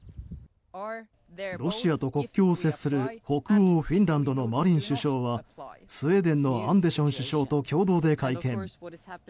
ロシアと国境を接する北欧フィンランドのマリン首相はスウェーデンのアンデション首相と共同で会見。